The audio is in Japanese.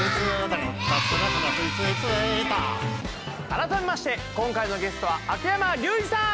改めまして今回のゲストは秋山竜次さん！